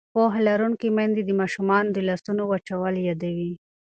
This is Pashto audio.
پوهه لرونکې میندې د ماشومانو د لاسونو وچول یادوي.